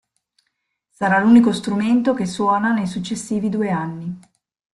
Sarà l'unico strumento che suona nei successivi due anni.